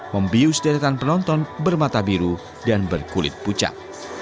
membius deretan penonton bermata biru dan berkulit pucat